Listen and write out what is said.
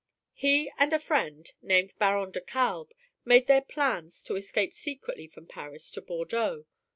He and a friend, named Baron de Kalb, made their plans to escape secretly from Paris to Bordeaux.